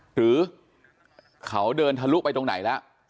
หรือเขาเดินทะลุไปตรงไหนแล้ว